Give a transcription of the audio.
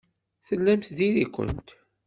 Tellamt diri-kent.